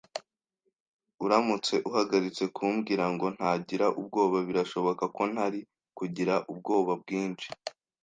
Uramutse uhagaritse kumbwira ngo ntagira ubwoba, birashoboka ko ntari kugira ubwoba bwinshi.